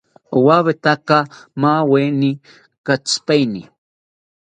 Owawetaka maaweni katsipaini